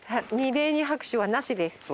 二礼二拍手はなしです。